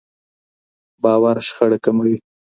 باور شخړه کموي.